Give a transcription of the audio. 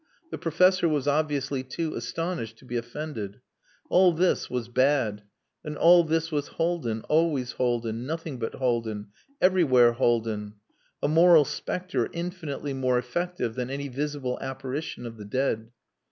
The professor was obviously too astonished to be offended. All this was bad. And all this was Haldin, always Haldin nothing but Haldin everywhere Haldin: a moral spectre infinitely more effective than any visible apparition of the dead.